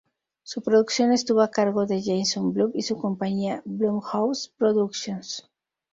Su producción estuvo a cargo de Jason Blum y su compañía Blumhouse Productions.